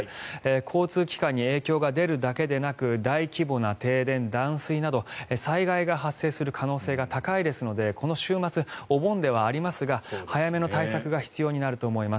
交通機関に影響が出るだけでなく大規模な停電・断水など災害が発生する可能性が高いですのでこの週末、お盆ではありますが早めの対策が必要になると思います。